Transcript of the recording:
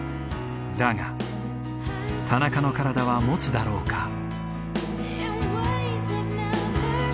だが田中の体はもつだろうか。